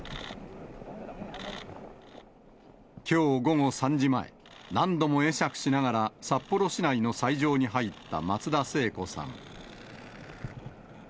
きょう午後３時前、何度も会釈しながら、札幌市内の斎場に入った松田聖子さん。